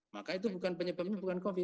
maka itu bukan penyebabnya bukan covid